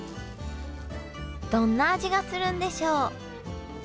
どんな味がするんでしょう？